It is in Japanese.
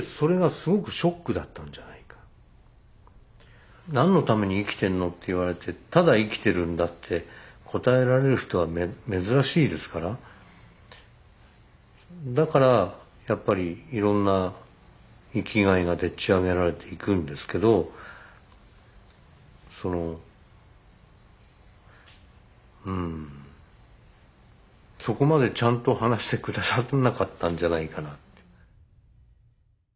そして「何のために生きてるの？」って言われて「ただ生きてるんだ」って答えられる人は珍しいですからだからやっぱりいろんな生きがいがでっちあげられていくんですけどそのうんそこまでちゃんと話して下さらなかったんじゃないかな。